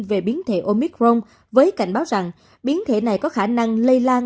về biến thể omicron với cảnh báo rằng biến thể này có khả năng lây lan